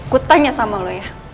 gue tanya sama lo ya